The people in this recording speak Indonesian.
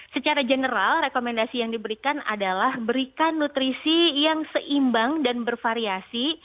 secara general rekomendasi yang diberikan adalah berikan nutrisi yang seimbang dan bervariasi